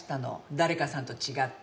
誰かさんと違って。